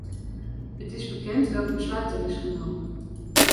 Het is bekend welk besluit er is genomen.